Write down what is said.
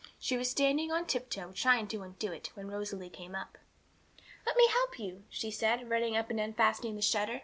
She was standing on tiptoe, trying to undo it, when Rosalie came up. 'Let me help you,' she said, running up and unfastening the shutter.